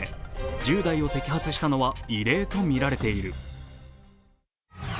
１０代を摘発したのは異例とみられている。